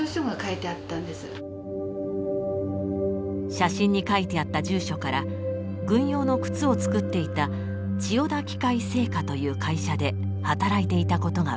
写真に書いてあった住所から軍用の靴を作っていた千代田機械製靴という会社で働いていたことが分かりました。